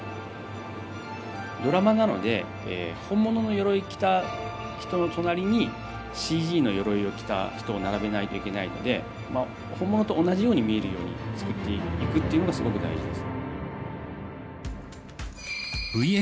ドラマなので本物のよろい着た人の隣にＣＧのよろいを着た人を並べないといけないので本物と同じように見えるように作っていくっていうのがすごく大事です。